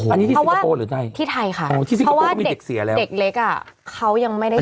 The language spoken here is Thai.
อันนี้ที่สิงคโปร์หรือไหนที่ไทยค่ะเพราะว่าเด็กเล็กอะเขายังไม่ได้คิด